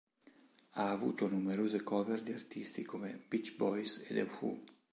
Ha avuto numerose cover di artisti come Beach Boys e The Who.